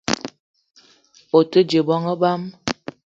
O te dje bongo bang ?